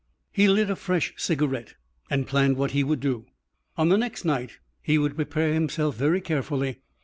He lit a fresh cigarette and planned what he would do. On the next night he would prepare himself very carefully.